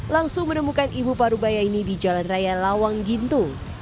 langsung menemukan ibu parubaya ini di jalan raya lawang gintu